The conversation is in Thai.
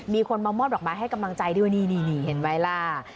มีคนมามอบดอกไม้ให้กำลังใจด้วยนี่เห็นไหมล่ะ